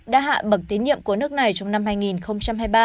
đã hạ bậc tín nhiệm của nước này trong năm hai nghìn hai mươi ba